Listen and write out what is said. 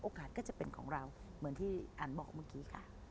ก็จะเป็นของเราเหมือนที่อันบอกเมื่อกี้ค่ะ